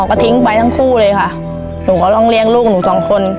ก็ทิ้งไปทั้งคู่เลยค่ะหนูก็ต้องเลี้ยงลูกหนูสองคน